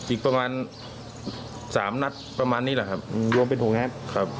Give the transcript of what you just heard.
อีกประมาณสามนัดประมาณนี้แหละครับดวงเป็นหกนัด